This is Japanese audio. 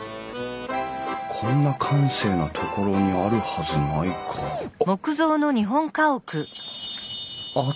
こんな閑静な所にあるはずないかあっ。